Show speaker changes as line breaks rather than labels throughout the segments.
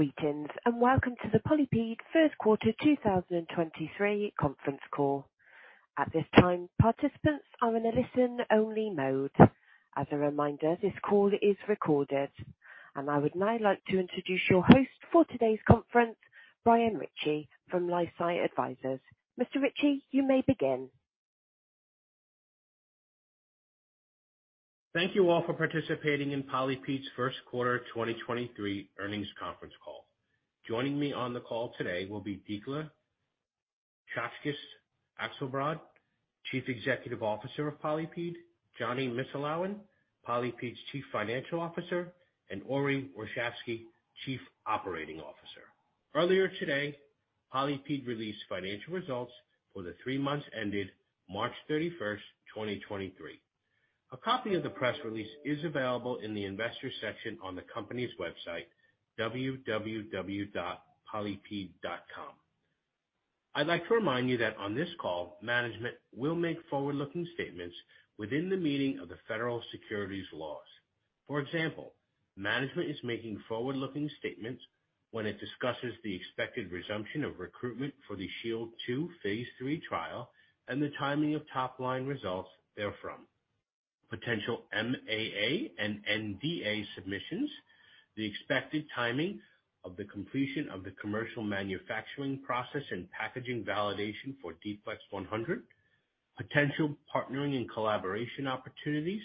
Greetings, welcome to the PolyPid first quarter 2023 conference call. At this time, participants are in a listen-only mode. As a reminder, this call is recorded. I would now like to introduce your host for today's conference, Brian Ritchie from LifeSci Advisors. Mr. Ritchie, you may begin.
Thank you all for participating in PolyPid's first quarter 2023 earnings conference call. Joining me on the call today will be Dikla Czaczkes Akselbrad, Chief Executive Officer of PolyPid, Jonny Missulawin, PolyPid's Chief Financial Officer, and Ori Warshavsky, Chief Operating Officer. Earlier today, PolyPid released financial results for the three months ended March 31st, 2023. A copy of the press release is available in the Investors section on the company's website, www.polypid.com. I'd like to remind you that on this call, management will make forward-looking statements within the meaning of the federal securities laws. For example, management is making forward-looking statements when it discusses the expected resumption of recruitment for the SHIELD II Phase three trial and the timing of top-line results therefrom. Potential MAA and NDA submissions, the expected timing of the completion of the commercial manufacturing process and packaging validation for D-PLEX100, potential partnering and collaboration opportunities,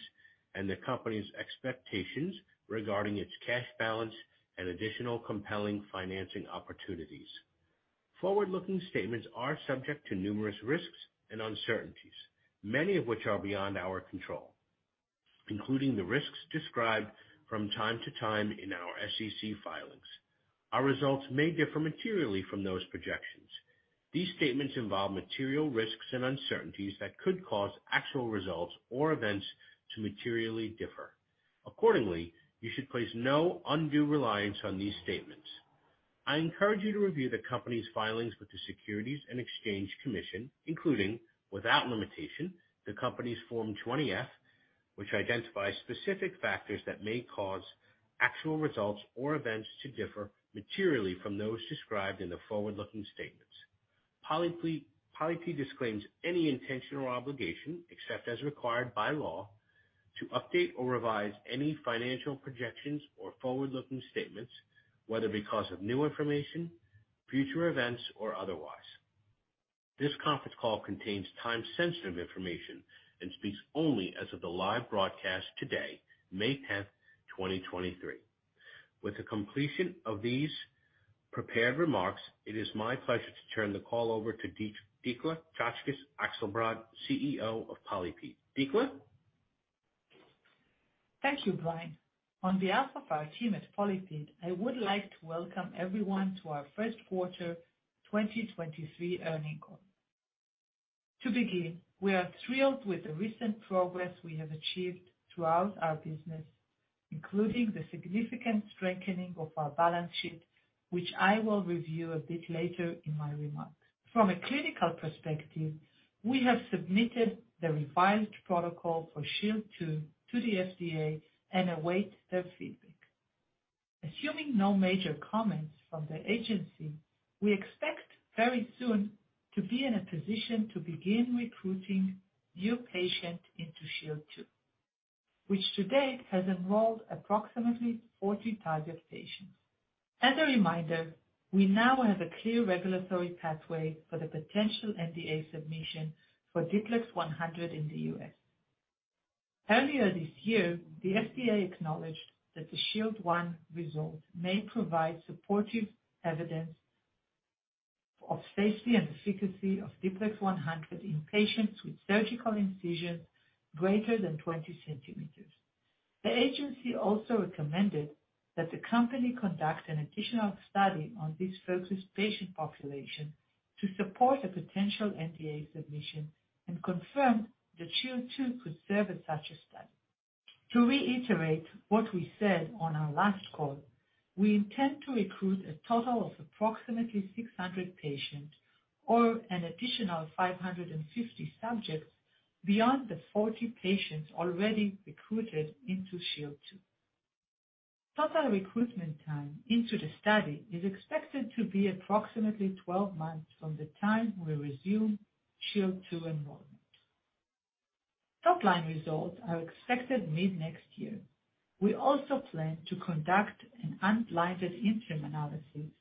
and the company's expectations regarding its cash balance and additional compelling financing opportunities. Forward-looking statements are subject to numerous risks and uncertainties, many of which are beyond our control, including the risks described from time to time in our SEC filings. Our results may differ materially from those projections. These statements involve material risks and uncertainties that could cause actual results or events to materially differ. Accordingly, you should place no undue reliance on these statements. I encourage you to review the company's filings with the Securities and Exchange Commission, including, without limitation, the company's Form 20-F, which identifies specific factors that may cause actual results or events to differ materially from those described in the forward-looking statements. PolyPid disclaims any intention or obligation, except as required by law, to update or revise any financial projections or forward-looking statements, whether because of new information, future events, or otherwise. This conference call contains time-sensitive information and speaks only as of the live broadcast today, May 10, 2023. With the completion of these prepared remarks, it is my pleasure to turn the call over to Dikla Czaczkes Akselbrad, CEO of PolyPid. Dikla?
Thank you, Brian. On behalf of our team at PolyPid, I would like to welcome everyone to our first quarter 2023 earnings call. To begin, we are thrilled with the recent progress we have achieved throughout our business, including the significant strengthening of our balance sheet, which I will review a bit later in my remarks. From a clinical perspective, we have submitted the revised protocol for SHIELD II to the FDA and await their feedback. Assuming no major comments from the agency, we expect very soon to be in a position to begin recruiting new patients into SHIELD II, which to date has enrolled approximately 40 target patients. As a reminder, we now have a clear regulatory pathway for the potential NDA submission for D-PLEX100 in the US. Earlier this year, the FDA acknowledged that the SHIELD I results may provide supportive evidence of safety and efficacy of D-PLEX100 in patients with surgical incisions greater than 20 cm. The agency also recommended that the company conduct an additional study on this focused patient population to support a potential NDA submission and confirmed that SHIELD II could serve as such a study. To reiterate what we said on our last call, we intend to recruit a total of approximately 600 patients or an additional 550 subjects beyond the 40 patients already recruited into SHIELD II. Total recruitment time into the study is expected to be approximately 12 months from the time we resume SHIELD II enrollment. Top-line results are expected mid-next year. We also plan to conduct an unblinded interim analysis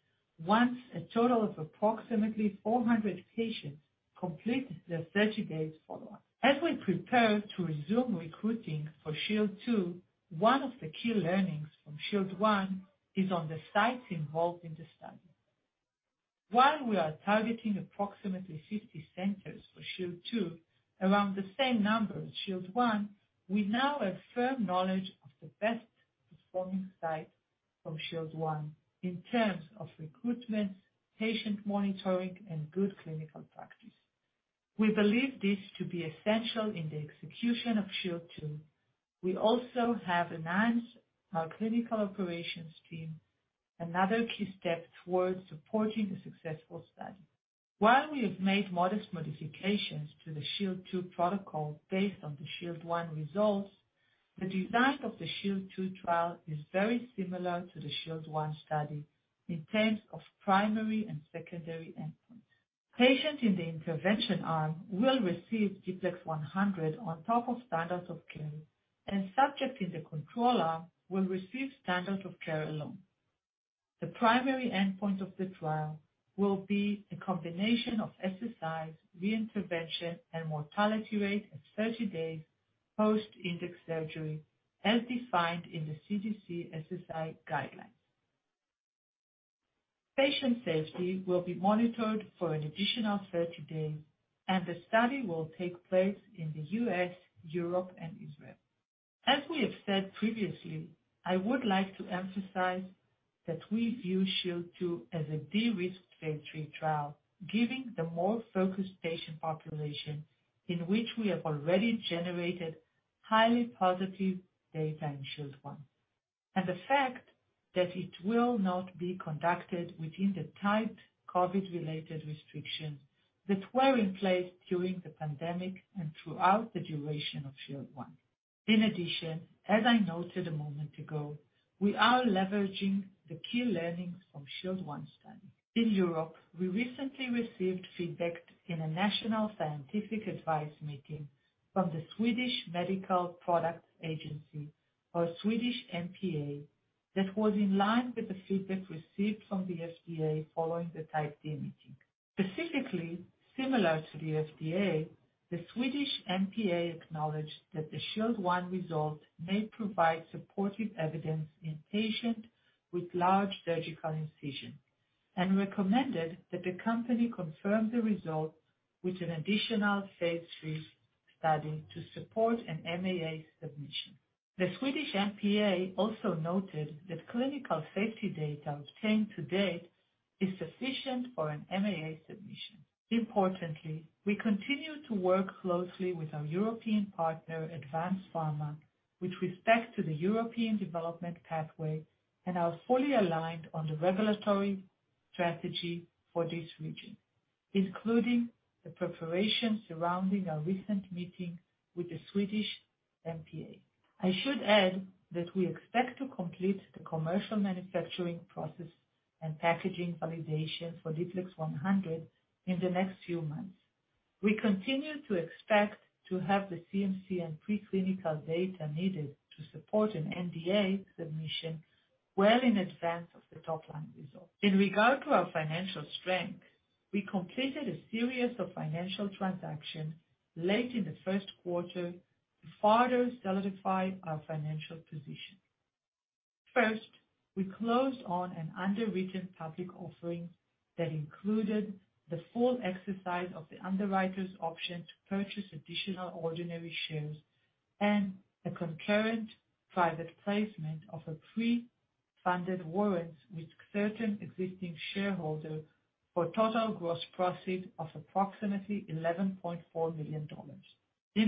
once a total of approximately 400 patients complete their 30-days follow-up. As we prepare to resume recruiting for SHIELD II, one of the key learnings from SHIELD I is on the sites involved in the study. While we are targeting approximately 50 centers for SHIELD II, around the same number as SHIELD I, we now have firm knowledge of the best-performing sites from SHIELD I in terms of recruitment, patient monitoring, and good clinical practice. We believe this to be essential in the execution of SHIELD II. We also have enhanced our clinical operations team, another key step towards supporting a successful study. While we have made modest modifications to the SHIELD II protocol based on the SHIELD I results. The design of the SHIELD II trial is very similar to the SHIELD I study in terms of primary and secondary endpoints. Patients in the intervention arm will receive D-PLEX100 on top of standards of care. Subjects in the control arm will receive standard of care alone. The primary endpoint of the trial will be a combination of SSIs, reintervention, and mortality rate at 30 days post index surgery as defined in the CDC SSI guidelines. Patient safety will be monitored for an additional 30 days. The study will take place in the U.S., Europe, and Israel. As we have said previously, I would like to emphasize that we view SHIELD 2 as a de-risked phase three trial, giving the more focused patient population in which we have already generated highly positive data in SHIELD 1. The fact that it will not be conducted within the tight COVID-related restrictions that were in place during the pandemic and throughout the duration of SHIELD 1. In addition, as I noted a moment ago, we are leveraging the key learnings from SHIELD I study. In Europe, we recently received feedback in a national scientific advice meeting from the Swedish Medical Products Agency, or Swedish MPA, that was in line with the feedback received from the FDA following the Type D meeting. Specifically, similar to the FDA, the Swedish MPA acknowledged that the SHIELD I result may provide supportive evidence in patients with large surgical incisions, and recommended that the company confirm the result with an additional Phase three study to support an MAA submission. The Swedish MPA also noted that clinical safety data obtained to date is sufficient for an MAA submission. Importantly, we continue to work closely with our European partner, ADVANZ PHARMA, with respect to the European development pathway, and are fully aligned on the regulatory strategy for this region, including the preparation surrounding our recent meeting with the Swedish MPA. I should add that we expect to complete the commercial manufacturing process and packaging validation for D-PLEX100 in the next few months. We continue to expect to have the CMC and preclinical data needed to support an NDA submission well in advance of the top-line results. In regard to our financial strength, we completed a series of financial transactions late in the first quarter to further solidify our financial position. First, we closed on an underwritten public offering that included the full exercise of the underwriter's option to purchase additional ordinary shares and a concurrent private placement of a pre-funded warrant with certain existing shareholders for total gross proceeds of approximately $11.4 million. We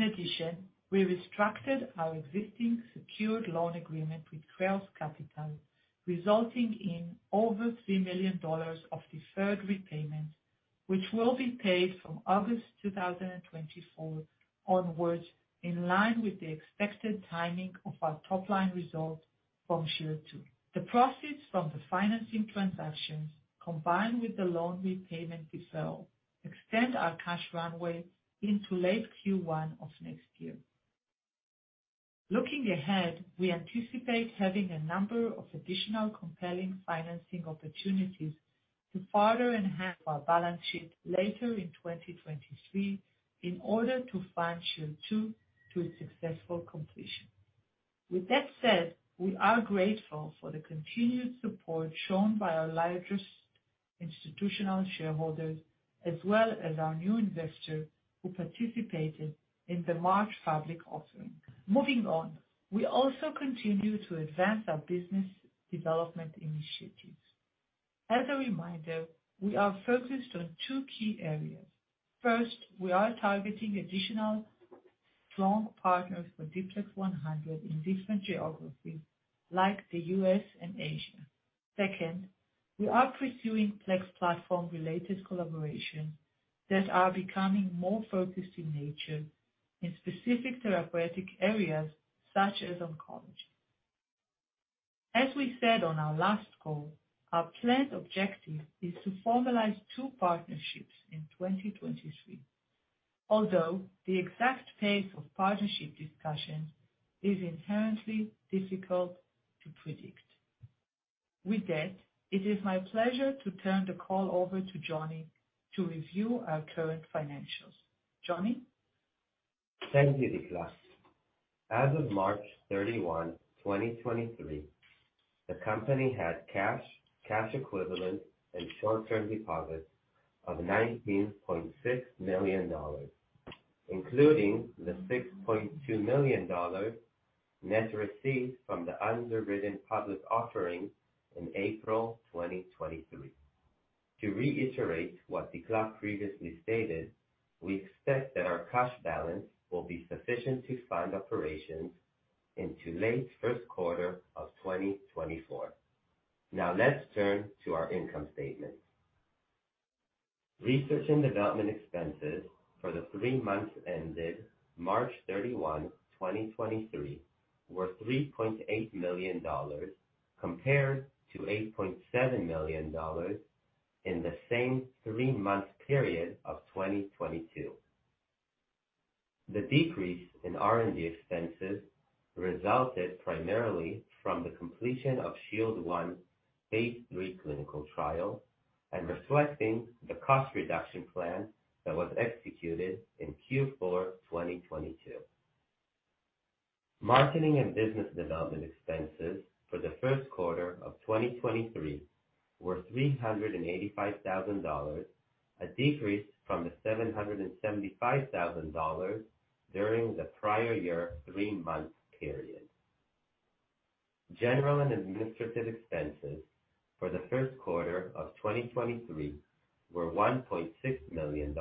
restructured our existing secured loan agreement with Kreos Capital, resulting in over $3 million of deferred repayment, which will be paid from August 2024 onwards, in line with the expected timing of our top-line result from SHIELD II. The proceeds from the financing transactions, combined with the loan repayment deferral, extend our cash runway into late Q1 of next year. We anticipate having a number of additional compelling financing opportunities to further enhance our balance sheet later in 2023 in order to fund SHIELD II to its successful completion. With that said, we are grateful for the continued support shown by our largest institutional shareholders as well as our new investors who participated in the March public offering. Moving on, we also continue to advance our business development initiatives. As a reminder, we are focused on two key areas. First, we are targeting additional strong partners for D-PLEX100 in different geographies like the U.S. and Asia. Second, we are pursuing PLEX platform-related collaborations that are becoming more focused in nature in specific therapeutic areas such as oncology. As we said on our last call, our planned objective is to formalize two partnerships in 2023, although the exact pace of partnership discussions is inherently difficult to predict. With that, it is my pleasure to turn the call over to Johnny to review our current financials. Johnny?
Thank you, Declán. As of March 31, 2023, the company had cash equivalents, and short-term deposits of $19.6 million, including the $6.2 million net proceeds from the underwritten public offering in April 2023. To reiterate what Declán previously stated, we expect that our cash balance will be sufficient to fund operations into late first quarter of 2024. Let's turn to our income statement. Research and development expenses for the three months ended March 31, 2023 were $3.8 million compared to $8.7 million in the same three-month period of 2022. The decrease in R&D expenses resulted primarily from the completion of SHIELD I Phase 3 clinical trial and reflecting the cost reduction plan that was executed in Q4 2022. Marketing and business development expenses for the first quarter of 2023 were $385,000, a decrease from the $775,000 during the prior year three-month period. General and administrative expenses for the first quarter of 2023 were $1.6 million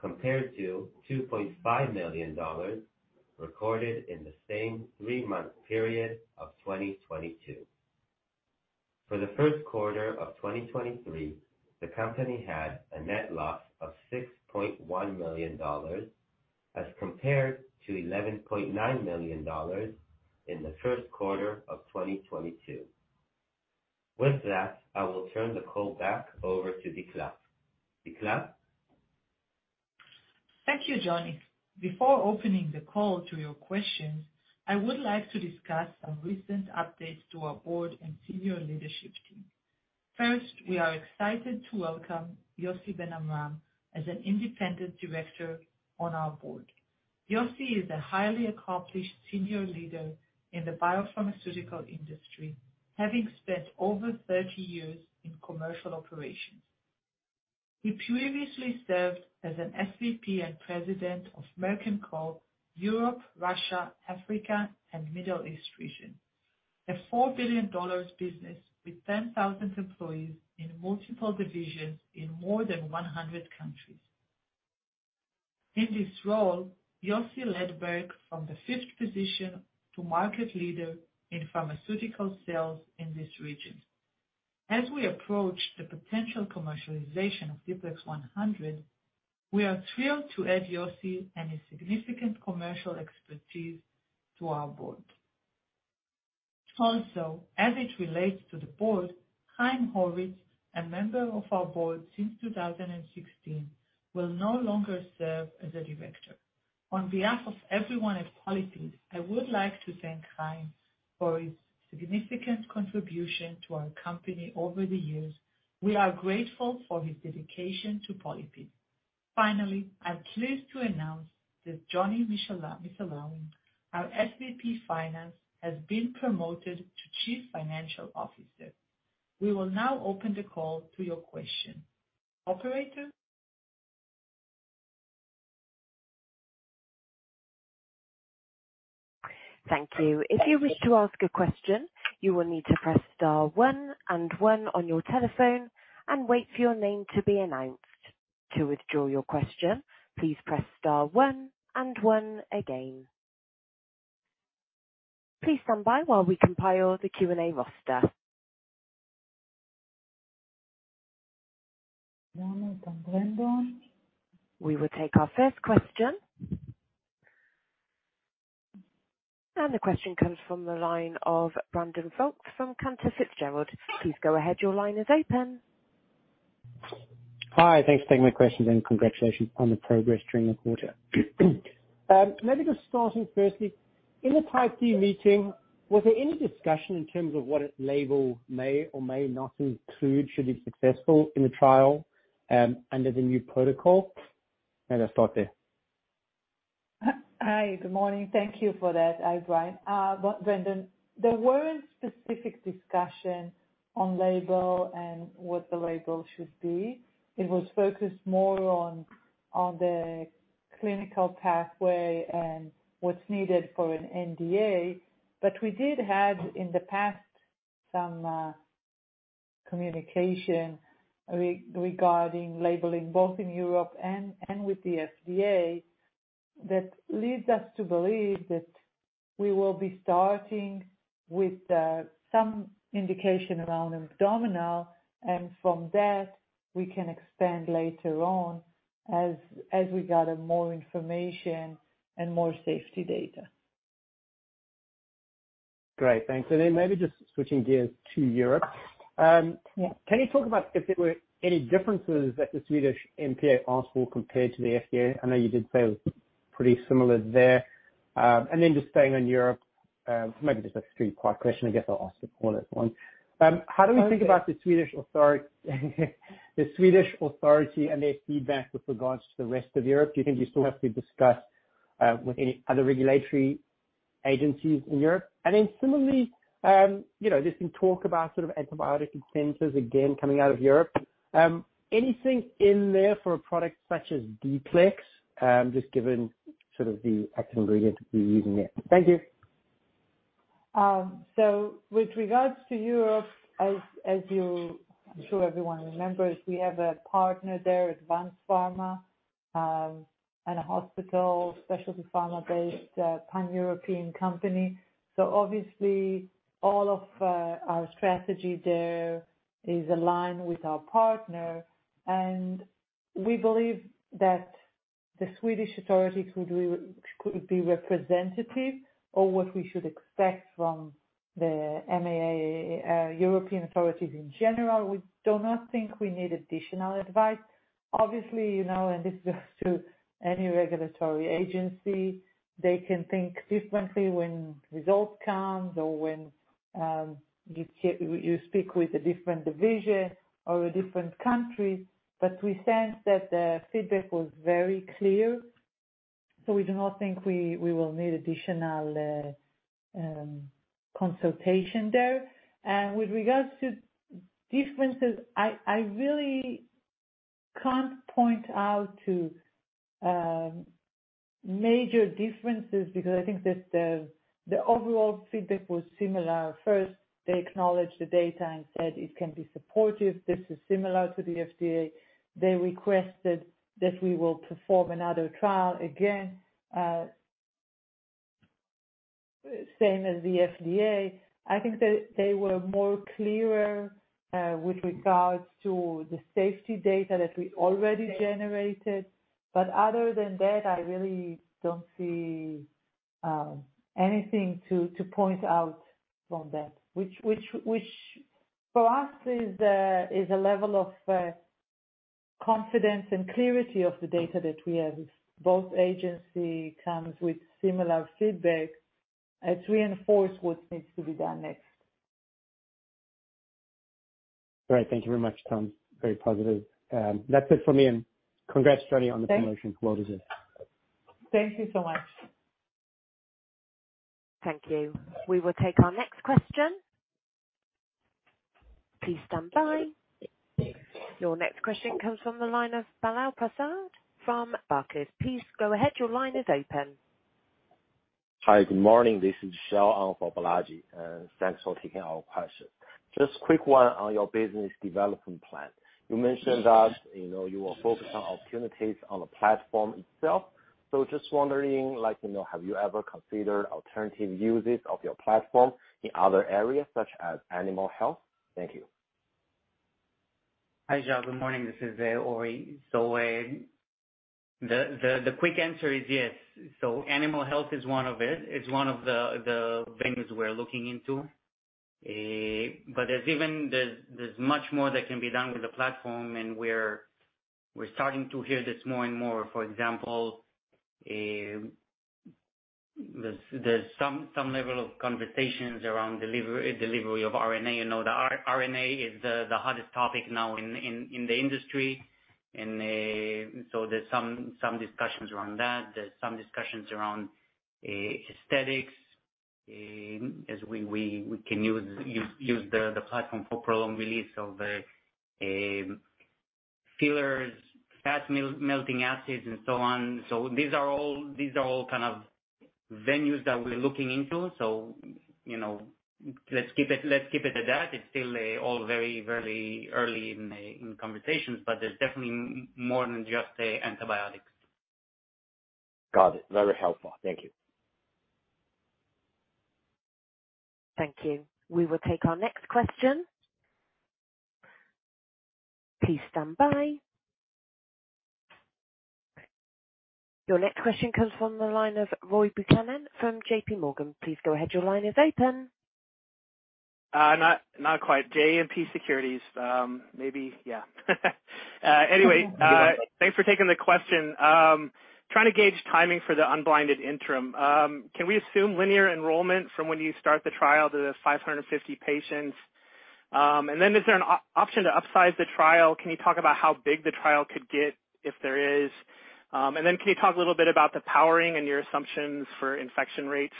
compared to $2.5 million recorded in the same three-month period of 2022. For the first quarter of 2023, the company had a net loss of $6.1 million as compared to $11.9 million in the first quarter of 2022. With that, I will turn the call back over to Dikla. Dikla?
Thank you, Jonny. Before opening the call to your questions, I would like to discuss some recent updates to our board and senior leadership team. First, we are excited to welcome Yossi Ben-Amram as an independent director on our board. Yossi is a highly accomplished senior leader in the biopharmaceutical industry, having spent over 30 years in commercial operations. He previously served as an SVP and President of Merck & Co., Europe, Russia, Africa, and Middle East region, a $4 billion business with 10,000 employees in multiple divisions in more than 100 countries. In this role, Yossi led Merck from the fifth position to market leader in pharmaceutical sales in this region. As we approach the potential commercialization of D-PLEX100, we are thrilled to add Yossi and his significant commercial expertise to our board. As it relates to the board, Chaim Hurvitz, a member of our board since 2016, will no longer serve as a director. On behalf of everyone at PolyPid, I would like to thank Chaim for his significant contribution to our company over the years. We are grateful for his dedication to PolyPid. Finally, I'm pleased to announce that Jonny Missulawin, our SVP Finance, has been promoted to Chief Financial Officer. We will now open the call to your question. Operator?
Thank you. If you wish to ask a question, you will need to press star one and one on your telephone and wait for your name to be announced. To withdraw your question, please press star one and one again. Please stand by while we compile the Q&A roster.
Brandon.
We will take our first question. The question comes from the line of Brandon Folkes from Cantor Fitzgerald. Please go ahead. Your line is open.
Hi. Thanks for taking my questions, congratulations on the progress during the quarter. Let me just start in firstly. In the Type D meeting, was there any discussion in terms of what its label may or may not include should it be successful in the trial, under the new protocol? Maybe let's start there.
Hi. Good morning. Thank you for that, Brian. Brandon, there weren't specific discussion on label and what the label should be. It was focused more on the clinical pathway and what's needed for an NDA. We did have, in the past some communication regarding labeling both in Europe and with the FDA. That leads us to believe that we will be starting with some indication around abdominal, and from that, we can expand later on as we gather more information and more safety data.
Great. Thanks. Then maybe just switching gears to Europe.
Yeah.
Can you talk about if there were any differences that the Swedish MPA asked for compared to the FDA? I know you did say it was pretty similar there. Just staying on Europe, maybe just like a three part question. I guess I'll ask the fourth one.
Okay.
How do we think about the Swedish Authority and their feedback with regards to the rest of Europe? Do you think you still have to discuss with any other regulatory agencies in Europe? Similarly, you know, there's been talk about sort of antibiotic expenses again coming out of Europe. Anything in there for a product such as D-PLEX100? Just given sort of the active ingredient we're using there. Thank you.
With regards to Europe, as you I'm sure everyone remembers, we have a partner there, ADVANZ PHARMA. And a hospital specialty pharma-based, Pan-European company. Obviously all of our strategy there is aligned with our partner, and we believe that the Swedish authorities could be, could be representative of what we should expect from the MAA, European authorities in general. We do not think we need additional advice. Obviously, you know, and this goes to any regulatory agency, they can think differently when results come or when you speak with a different division or a different country. We sense that the feedback was very clear, so we do not think we will need additional consultation there. With regards to differences, I really can't point out to major differences because I think that the overall feedback was similar. First, they acknowledged the data and said it can be supportive. This is similar to the FDA. They requested that we will perform another trial, again, same as the FDA. I think they were more clearer with regards to the safety data that we already generated. But other than that, I really don't see anything to point out from that. Which for us is a level of confidence and clarity of the data that we have. If both agency comes with similar feedback, it reinforce what needs to be done next.
All right. Thank you very much, Tam. Very positive. That's it for me. Congrats, Shani, on the promotion.
Thank-
Well deserved.
Thank you so much.
Thank you. We will take our next question. Please stand by. Your next question comes from the line of Balaji Prasad from Barclays. Please go ahead. Your line is open.
Hi. Good morning. This is Xiao on for Balaji, and thanks for taking our question. Just a quick one on your business development plan. You mentioned that, you know, you will focus on opportunities on the platform itself. Just wondering, like, you know, have you ever considered alternative uses of your platform in other areas such as animal health? Thank you.
Hi, Xiao. Good morning. This is Ori. The quick answer is yes. Animal health is one of it. It's one of the venues we're looking into. There's much more that can be done with the platform, and we're starting to hear this more and more. For example, there's some level of conversations around delivery of RNA. You know, the RNA is the hottest topic now in the industry. There's some discussions around that. There's some discussions around aesthetics, as we can use the platform for prolonged release of fillers, fat melting acids and so on. These are all kind of venues that we're looking into you know, let's keep it at that. It's still all very, very early in conversations, but there's definitely more than just antibiotics.
Got it. Very helpful. Thank you.
Thank you. We will take our next question. Please stand by. Your next question comes from the line of Roy Buchanan from JMP Securities. Please go ahead. Your line is open.
Not quite. JMP Securities. Maybe, yeah. Anyway, thanks for taking the question. Trying to gauge timing for the unblinded interim. Can we assume linear enrollment from when you start the trial to the 550 patients? Is there an option to upsize the trial? Can you talk about how big the trial could get if there is? Can you talk a little bit about the powering and your assumptions for infection rates?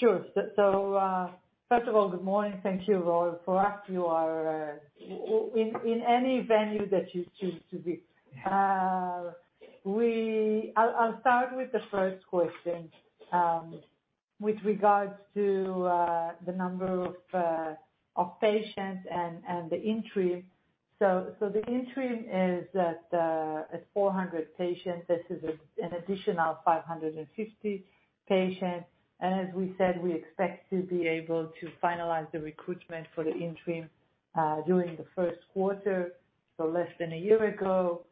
Sure. So, first of all, good morning. Thank you, Roy. For us, you are in any venue that you choose to be. I'll start with the first question with regards to the number of patients and the interim. The interim is that at 400 patients, this is an additional 550 patients. As we said, we expect to be able to finalize the recruitment for the interim during the first quarter, so less than a year ago.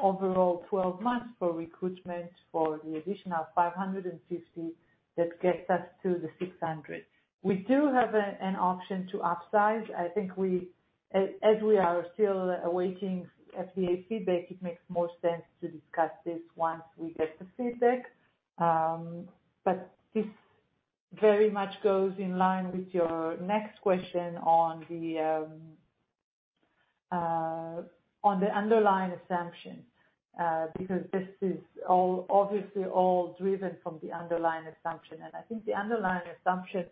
Overall, 12 months for recruitment for the additional 550, that gets us to the 600. We do have an option to upsize. I think as we are still awaiting FDA feedback, it makes more sense to discuss this once we get the feedback. This very much goes in line with your next question on the underlying assumption, because this is all obviously all driven from the underlying assumption. I think the underlying assumptions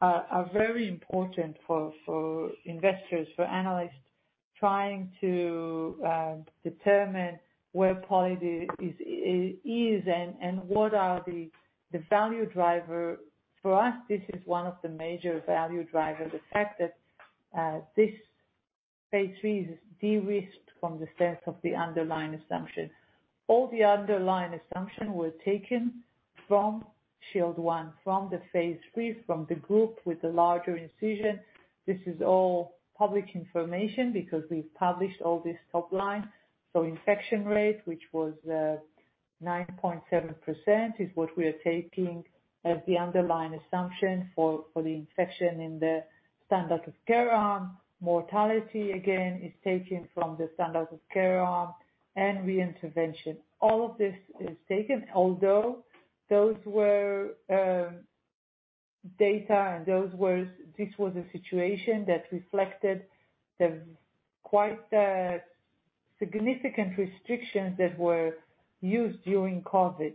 are very important for investors, for analysts trying to determine where PolyPid is and what are the value driver. For us, this is one of the major value drivers, the fact that this Phase three is de-risked from the strength of the underlying assumption. All the underlying assumption were taken from SHIELD I, from the Phase three, from the group with the larger incision. This is all public information because we've published all this top line. Infection rate, which was 9.7%, is what we are taking as the underlying assumption for the infection in the standard of care arm. Mortality, again, is taken from the standard of care arm and re-intervention. All of this is taken, although those were data and this was a situation that reflected the quite significant restrictions that were used during COVID.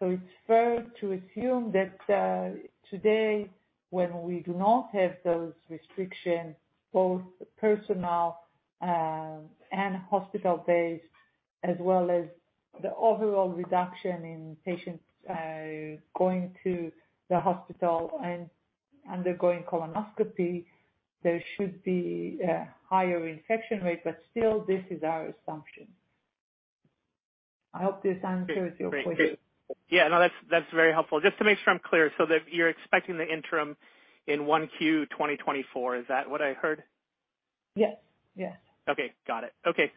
It's fair to assume that today, when we do not have those restrictions, both personal and hospital-based, as well as the overall reduction in patients going to the hospital and undergoing colonoscopy, there should be a higher infection rate, but still, this is our assumption. I hope this answers your question.
Great. Great. Yeah, no, that's very helpful. Just to make sure I'm clear, so that you're expecting the interim in 1Q 2024. Is that what I heard?
Yes. Yes.
Okay. Got it. Okay.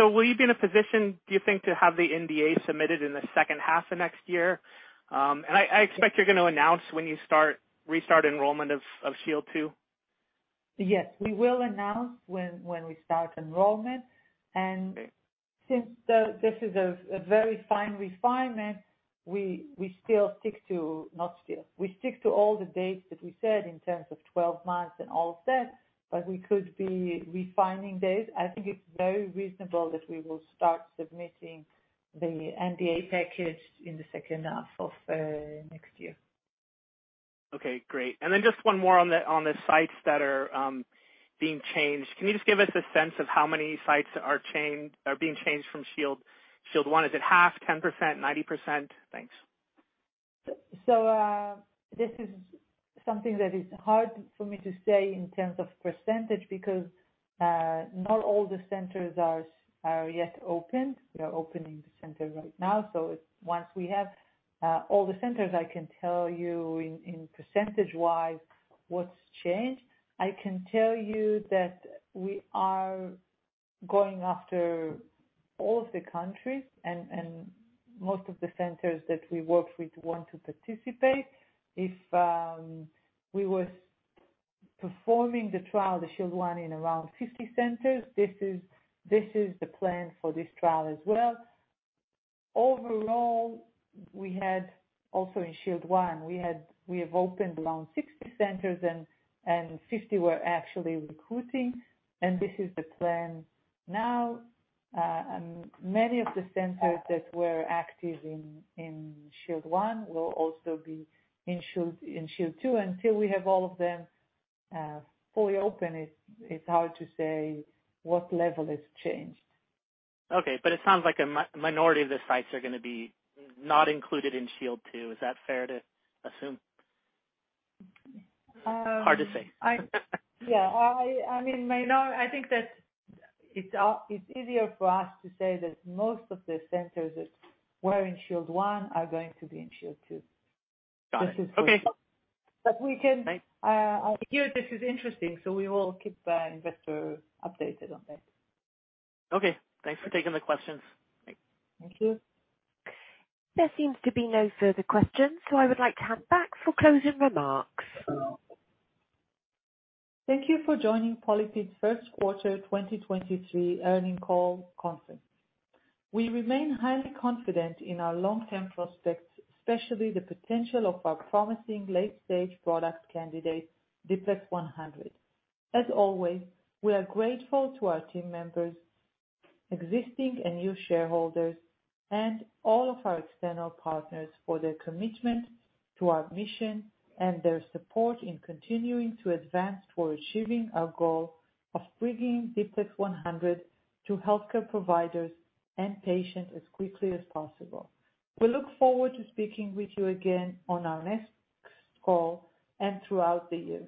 Will you be in a position, do you think, to have the NDA submitted in the second half of next year? I expect you're gonna announce when you restart enrollment of SHIELD II.
Yes. We will announce when we start enrollment.
Great.
Since, this is a very fine refinement, we stick to all the dates that we said in terms of 12 months and all of that, but we could be refining those. I think it's very reasonable that we will start submitting the NDA package in the second half of next year.
Okay. Great. Just one more on the, on the sites that are being changed. Can you just give us a sense of how many sites are being changed from SHIELD I? Is it half, 10%, 90%? Thanks.
This is something that is hard for me to say in terms of % because not all the centers are yet opened. We are opening the centers right now, once we have all the centers, I can tell you in %-wise what's changed. I can tell you that we are going after all of the countries and most of the centers that we worked with want to participate. If we were performing the trial, the SHIELD I in around 50 centers, this is the plan for this trial as well. Overall, we had also in SHIELD I, we have opened around 60 centers and 50 were actually recruiting, and this is the plan now. Many of the centers that were active in SHIELD I will also be in SHIELD II. Until we have all of them, fully open, it's hard to say what level it's changed.
Okay, it sounds like a minority of the sites are going to be not included in SHIELD II. Is that fair to assume?
Um.
Hard to say.
Yeah. I mean, minor. I think that it's easier for us to say that most of the centers that were in SHIELD I are going to be in SHIELD II.
Got it. Okay.
This is for sure.
Right.
I hear this is interesting. We will keep the investor updated on that.
Okay. Thanks for taking the questions.
Thank you.
There seems to be no further questions. I would like to hand back for closing remarks.
Thank you for joining PolyPid's first quarter 2023 earnings call conference. We remain highly confident in our long-term prospects, especially the potential of our promising late-stage product candidate, D-PLEX100. As always, we are grateful to our team members, existing and new shareholders, and all of our external partners for their commitment to our mission and their support in continuing to advance for achieving our goal of bringing D-PLEX100 to healthcare providers and patients as quickly as possible. We look forward to speaking with you again on our next call and throughout the year.